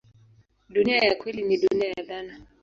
Dunia ya kweli ni dunia ya dhana.